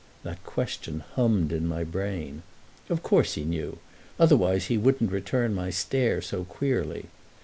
—that question hummed in my brain. Of course he knew; otherwise he wouldn't return my stare so queerly.